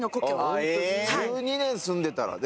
１２年住んでたらね